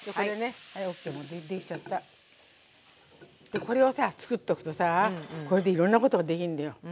でこれをさ作っとくとさこれでいろんなことができんだよ。